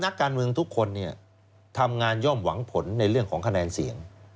นักการเมืองทุกคนเนี่ยทำงานย่อมหวังผลในเรื่องของคะแนนเสียง